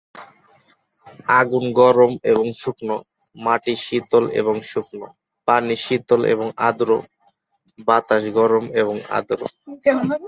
আগুন গরম এবং শুকনো, মাটি শীতল এবং শুকনো, পানি শীতল এবং আর্দ্র, বাতাস গরম এবং আর্দ্র।